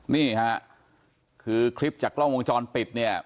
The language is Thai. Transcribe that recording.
นี่ค่ะคือคลิปจากกล้องวงจรปิดเนี่ย